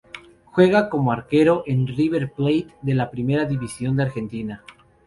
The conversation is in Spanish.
Juega como arquero en River Plate de la Primera División de Argentina.